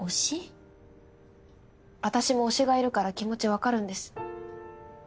私も推しがいるから気持ちわかるんです。